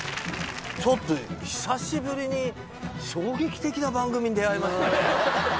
ちょっと久しぶりに衝撃的な番組に出合いましたね。